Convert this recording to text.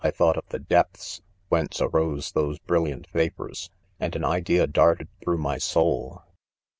129 £ 1 thought of the depths whence arose those brilliant vapors, — and an idea darted through 'my soul.